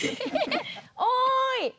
おい！